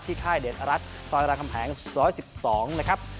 ค่ายเดชรัฐซอยรามคำแหง๑๑๒นะครับ